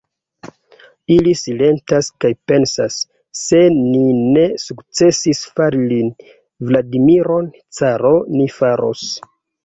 Ili silentas kaj pensas: se ni ne sukcesis fari lin, Vladimiron, caro, ni faros.